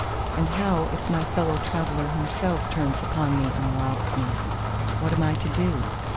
And how if my fellow traveller himself turns upon me and robs me? What am I to do?